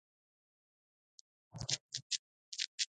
کرنه د ملي عاید لویه برخه جوړوي